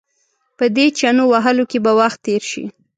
په دې چنو وهلو کې به وخت تېر شي.